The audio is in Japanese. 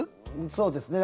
そうですね。